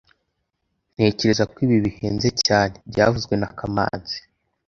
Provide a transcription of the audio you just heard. Ntekereza ko ibi bihenze cyane byavuzwe na kamanzi